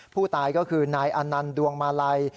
ผู้ตายก็คือนายอนันต์ดวงมาลัย